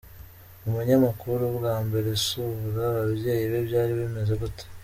Umunyamakuru:Bwa mbere usura ababyeyi be byari bimeze gute?.